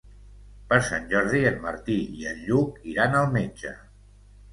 Per Sant Jordi en Martí i en Lluc iran al metge.